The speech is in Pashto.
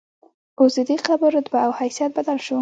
اوس ددې قبر رتبه او حیثیت بدل شو.